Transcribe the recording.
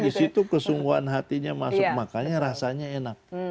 di situ kesungguhan hatinya masuk makanya rasanya enak